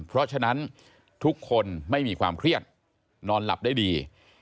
เพราะฉะนั้นทุกคนไม่มีความเครียดนอนหลับได้ดี